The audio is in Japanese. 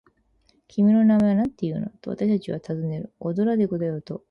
「君の名前はなんていうの？」と、私たちはたずねる。「オドラデクだよ」と、それはいう。